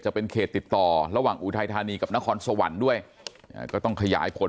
จะเป็นเขตติดต่อระหว่างอุทัยธานีกับนครสวรรค์ด้วยก็ต้องขยายผล